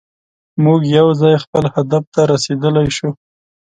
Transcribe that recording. موږ یوځای خپل هدف ته رسیدلی شو.